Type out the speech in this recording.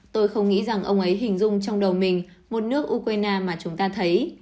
tôi không nghĩ rằng ông ấy hình dung trong đầu mình một nước ukraine mà chúng ta thấy